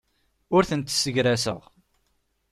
Ur tent-ssegraseɣ.